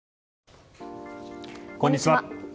こんにちは。